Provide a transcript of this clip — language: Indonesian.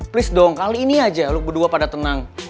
please dong kali ini aja lo berdua pada tenang